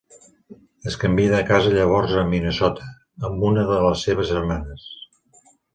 Es canvia de casa llavors a Minnesota, amb una de les seves germanes.